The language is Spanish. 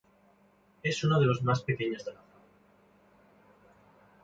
Es uno de los más pequeños de la familia.